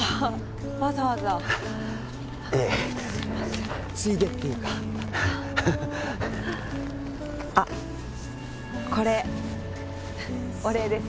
わざわざいえついでっていうかあッこれお礼です